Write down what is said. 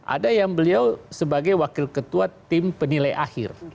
ada yang beliau sebagai wakil ketua tim penilai akhir